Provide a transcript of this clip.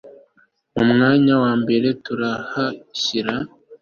Mu mwanya wa mbere turahashyira